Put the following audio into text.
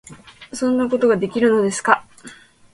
「そんなことができるのですか？」